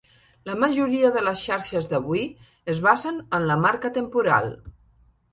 La majoria de les xarxes d'avui es basen en la marca temporal.